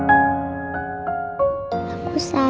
aku mau ke sana